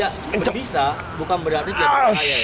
walaupun tidak berbisa bukan beratnya tidak beratnya